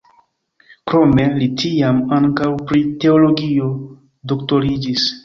Krome li tiam ankaŭ pri teologio doktoriĝis.